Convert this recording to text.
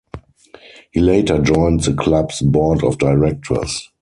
He later joined the club's Board of Directors.